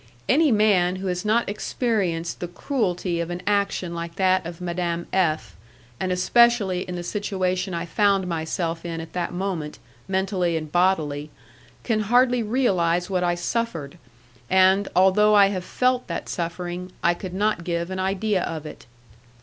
Any man who has not experienced the cruelty of an action like that of Madame F , and especially in the situation I found myself in at that moment, mentally and bodily, can hardly realize what I suffered, and, although I have felt that suffering, I could not give an idea of it.